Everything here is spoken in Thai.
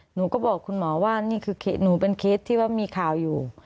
หนูก็บอกคุณหมอว่านี่คือหนูเป็นเคสที่ว่ามีข่าวอยู่